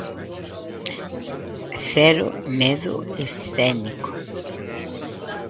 Cero medo escénico.